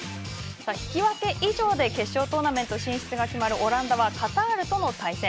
引き分け以上で決勝トーナメント進出が決まるオランダはカタールとの対戦。